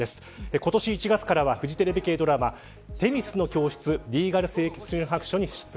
今年１月からはフジテレビ系ドラマ女神の教室リーガル青春白書に出演。